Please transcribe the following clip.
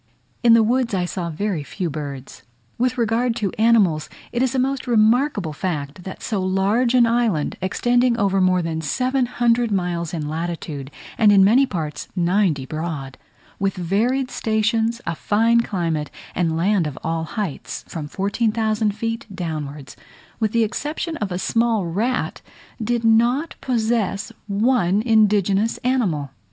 In the woods I saw very few birds. With regard to animals, it is a most remarkable fact, that so large an island, extending over more than 700 miles in latitude, and in many parts ninety broad, with varied stations, a fine climate, and land of all heights, from 14,000 feet downwards, with the exception of a small rat, did not possess one indigenous animal.